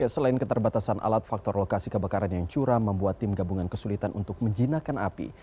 selain keterbatasan alat faktor lokasi kebakaran yang curam membuat tim gabungan kesulitan untuk menjinakkan api